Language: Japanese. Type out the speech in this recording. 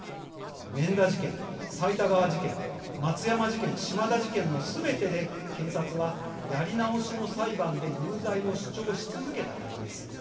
免田事件財田川事件松山事件島田事件のすべてで検察はやり直しの裁判で有罪を主張し続けたからです。